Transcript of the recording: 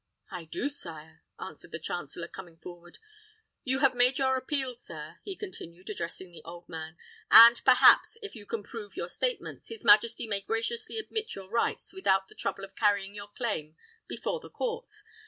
"I do, sire," answered the chancellor, coming forward. "You have made your appeal, sir," he continued, addressing the old man, "and perhaps, if you can prove your statements, his majesty may graciously admit your rights without the trouble of carrying your claim before the courts.